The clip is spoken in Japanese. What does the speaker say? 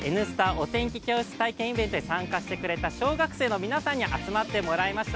お天気教室体験イベントに参加してくれた小学生の皆さんに厚真つてもらいました。